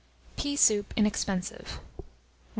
PEA SOUP (inexpensive). 144.